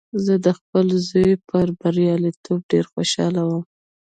زه د خپل زوی په بریالیتوب ډېر خوشحاله وم